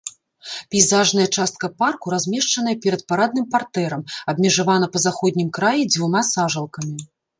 Пейзажная частка парку размешчаная перад парадным партэрам, абмежавана па заходнім краі дзвюма сажалкамі.